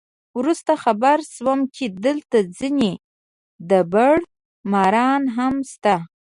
وروسته خبر شوم چې دلته ځینې دبړه ماران هم شته.